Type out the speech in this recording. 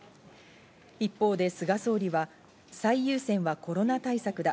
一方で菅総理は最優先はコロナ対策だ。